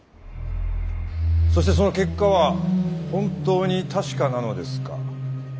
そしてその結果は本当に確かなのですか？